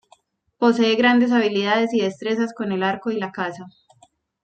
Posee grandes habilidades y destrezas con el Arco y la Caza.